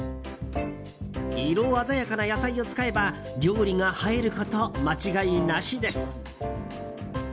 色鮮やかな野菜を使えば料理が映えること間違いなしです。